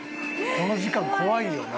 この時間怖いよな？